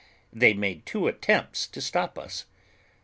They made two attempts to stop us.